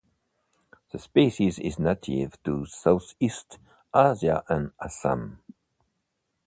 The species is native to Southeast Asia and Assam.